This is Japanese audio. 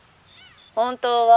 「本当は？」。